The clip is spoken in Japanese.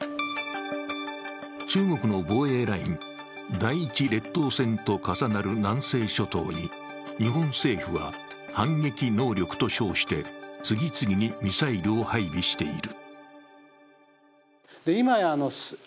中国の防衛ライン、第１列島線と重なる南西諸島に日本政府は、反撃能力と称して次々にミサイルを配備している。